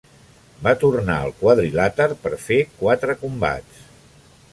Va tornar al quadrilàter per fer quatre combats.